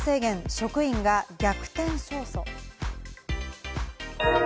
職員が逆転勝訴。